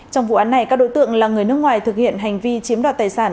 trong vụ án này các đối tượng là người nước ngoài thực hiện hành vi chiếm đoạt tài sản